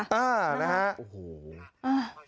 อ่านะฮะโอ้โห